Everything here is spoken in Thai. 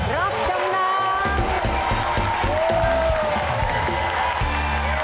รับจำนำ